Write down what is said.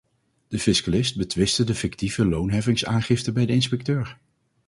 De fiscalist betwistte de fictieve loonheffingsaangifte bij de inspecteur.